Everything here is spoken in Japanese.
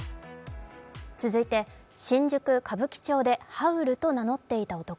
続いて、新宿・歌舞伎町でハウルと名乗っていた男。